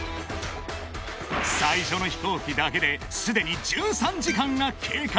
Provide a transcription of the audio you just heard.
［最初の飛行機だけですでに１３時間が経過］